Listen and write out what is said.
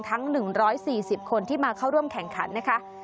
ทั้ง๑๔๐คนที่มาเข้าร่วมแข่งขันนะคะ